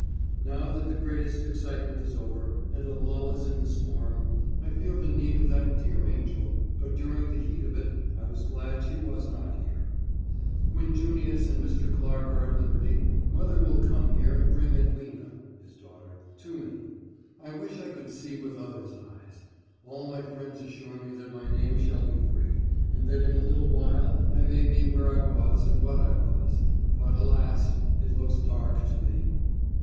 Now that the greatest excitement is over, and a lull is in the storm, I feel the need of that dear angel; but during the heat of it I was glad she was not here. When Junius and Mr. Clarke are at liberty, mother will come here and bring Edwina [his daughter] to me. I wish I could see with others' eyes; all my friends assure me that my name shall be free, and that in a little while I may be where I was and what I was; but, alas! it looks dark to me.